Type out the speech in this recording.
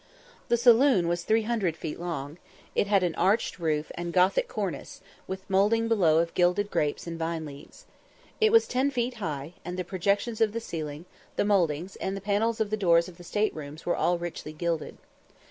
The saloon was 300 feet long; it had an arched roof and Gothic cornice, with a moulding below of gilded grapes and vine leaves. It was 10 feet high, and the projections of the ceiling, the mouldings, and the panels of the doors of the state rooms were all richly gilded.